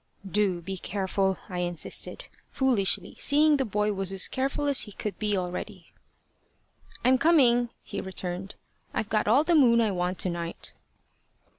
"Do be careful," I insisted foolishly, seeing the boy was as careful as he could be already. "I'm coming," he returned. "I've got all the moon I want to night."